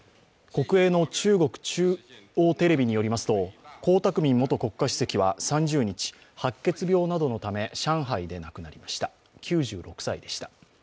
国営の中国中央テレビによりますと、江沢民元国家主席は３０日、白血病などのため上海で亡くなりました９６歳でした。